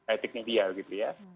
etik media gitu ya